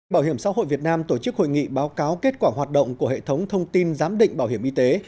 bảo hiểm xã hội việt nam tổ chức hội nghị báo cáo kết quả hoạt động của hệ thống thông tin giám định bảo hiểm y tế